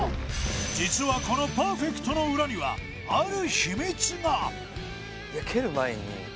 実はこのパーフェクトの裏にはえっ？